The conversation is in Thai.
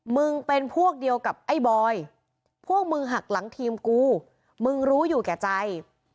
มึงเป็นพวกเดียวกับไอ้บอยพวกมึงหักหลังทีมกูมึงรู้อยู่แก่ใจ